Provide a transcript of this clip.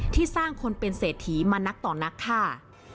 ที่สร้างคนเป็นเศรษฐีมานักต่อนักฆ่า